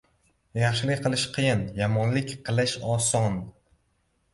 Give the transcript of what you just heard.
• Yaxshilik qilish qiyin, yomonlik qilish oson.